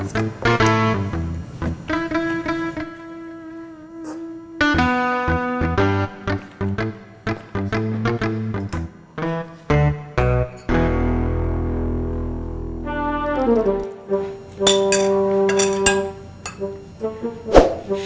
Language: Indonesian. sampai jumpa lagi